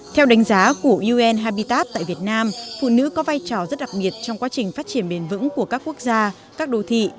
theo đánh giá của un habitas tại việt nam phụ nữ có vai trò rất đặc biệt trong quá trình phát triển bền vững của các quốc gia các đô thị